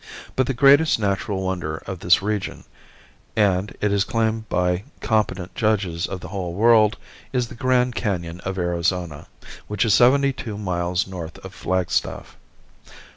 But the greatest natural wonder of this region and, it is claimed by competent judges of the whole world, is the Grand Canon of Arizona, which is seventy two miles north of Flagstaff.